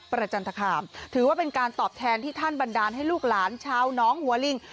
จันทคามถือว่าเป็นการตอบแทนที่ท่านบันดาลให้ลูกหลานชาวน้องหัวลิง